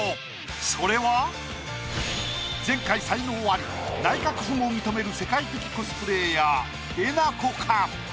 それは前回才能アリ内閣府も認める世界的コスプレイヤーえなこか？